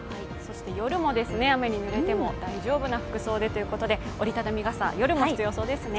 夜も雨にぬれても大丈夫な服装でということで折り畳み傘、夜も必要そうですね。